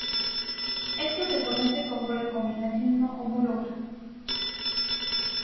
Esto se conoce como "recombinación no homóloga".